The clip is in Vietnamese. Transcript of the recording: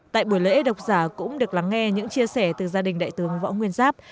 tại buổi lễ độc giả cũng được lắng nghe những chia sẻ từ gia đình đại tướng võ nguyên giáp